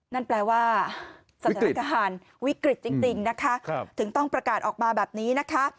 นั่นแปลว่าสถานการณ์วิกฤตจริงนะคะถึงต้องประกาศออกมาแบบนี้นะคะ